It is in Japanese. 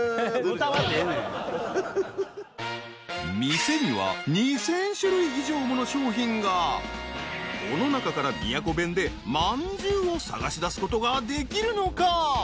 店には２，０００種類以上もの商品がこの中から宮古弁で「まんじゅう」を探し出すことができるのか？